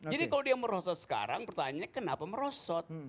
jadi kalau dia merosot sekarang pertanyaannya kenapa merosot